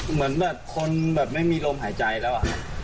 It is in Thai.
เหมือนคนแบบไม่มีลมหายใจแล้ว